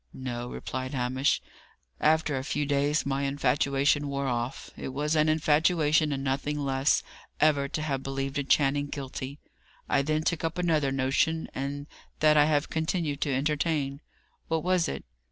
"No," replied Hamish. "After a few days my infatuation wore off. It was an infatuation, and nothing less, ever to have believed a Channing guilty. I then took up another notion, and that I have continued to entertain." "What was it?"